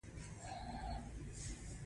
اقتصادي منابع د سپما له لارې زیاتیږي.